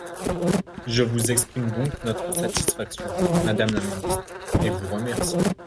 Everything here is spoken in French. Je vous exprime donc notre satisfaction, madame la ministre, et vous remercie.